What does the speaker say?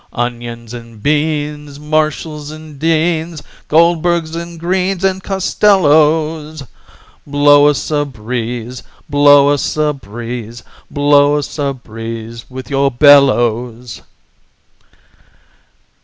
"Onions and beans, Marshalls and Deans, Goldbergs and Greens And Costellos. Blow us a breeze, Blow us a breeze, Blow us a breeze, With your bellows."